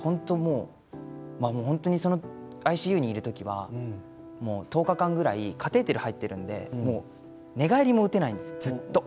本当にＩＣＵにいる時は１０日間ぐらいカテーテルが入っているので寝返りも打てないんです、ずっと。